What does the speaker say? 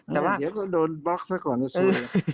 เดี๋ยวก็โดนบล็อกซะก่อนก็สวย